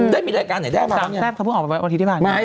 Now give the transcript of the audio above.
ได้มีรายการไหนแด็กเค้าเพิ่งออกไปวันอาทิตย์ที่บ้าน